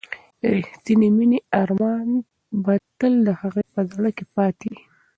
د ریښتینې مینې ارمان به تل د هغې په زړه کې پاتې وي.